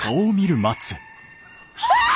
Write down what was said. あっ。